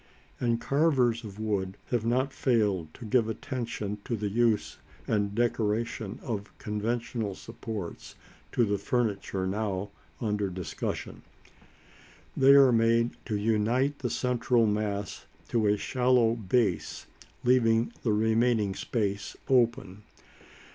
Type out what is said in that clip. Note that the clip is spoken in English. And carvers of wood have not failed to give full attention to the use and decoration of conventional supports to the furniture now under discussion. They are made to unite the central mass to a shallow base, leaving the remaining space open.